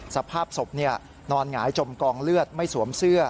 สภาพศพนอนหงายจมกองเลือดไม่สวมเสื้อ